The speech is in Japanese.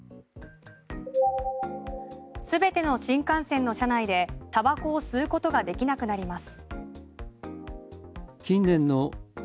全ての新幹線の車内でタバコを吸うことができなくなります。